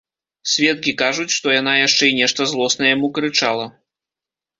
Сведкі кажуць, што яна яшчэ і нешта злосна яму крычала.